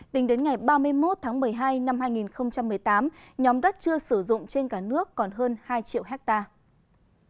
tính đến ngày ba mươi một tháng một mươi hai năm hai nghìn một mươi tám nhóm đất chưa sử dụng trên cả nước còn hơn hai triệu hectare